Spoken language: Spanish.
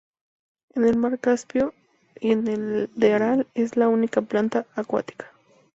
En el mar Caspio y en el de Aral es la única planta acuática.